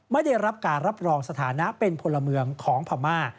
ไม่ได้รับการรับรองสถานะเป็นพลเมืองของพม่า